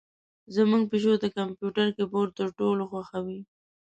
زمونږ پیشو د کمپیوتر کیبورډ تر ټولو خوښوي.